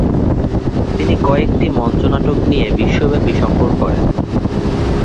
তিনি কয়েকটি মঞ্চনাটক নিয়ে বিশ্বব্যাপী সফর করেন।